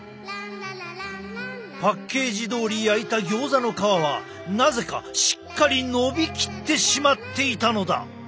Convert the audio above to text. パッケージどおり焼いたギョーザの皮はなぜかしっかりのびきってしまっていたのだ。